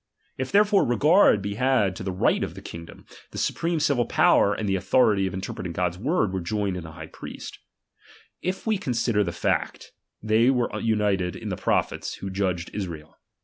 If therefore re gard be had to the right of the kingdom, the supreme civil power and the authority of inter preting God's word were joined in the high priest. If we consider the fact, they were united in the prophets who judged Israel.